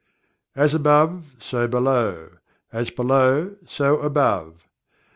"As Above so Below; as Below, so Above."